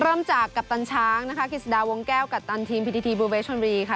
เริ่มจากกัปตันช้างนะคะกิจสดาวงแก้วกัปตันทีมพิธีทีบูเวชชนบุรีค่ะ